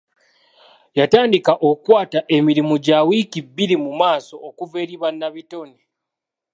Yatandika okukwata emirimu gya wiiki bbiri mu maaso okuva eri bannabitone.